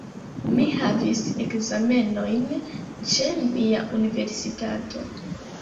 Mi havis ekzamenojn ĉe mia universitato.